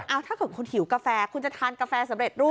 ถ้าเกิดคุณหิวกาแฟคุณจะทานกาแฟสำเร็จรูป